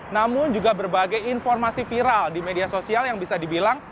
namun juga berbagai informasi viral di media sosial yang bisa dibilang